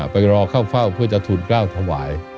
ไปรอเข้าเฝ้าเพื่อจะทูลกล้าวถวาย